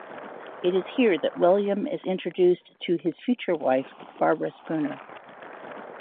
It is here that William is introduced to his future wife, Barbara Spooner.